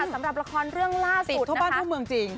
สำหรับละครเรื่องล่าสุดทั่วบ้านทั่วเมืองจริง